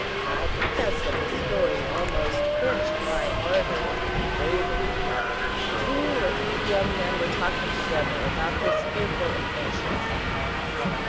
I confess that the story almost quenched my ardor and bravery. Two or three young men were talking together about this fearful invention.